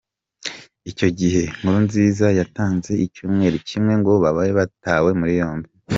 Icyo gihe Nkurunziza yatanze icyumweru kimwe ngo babe batawe muri yombi.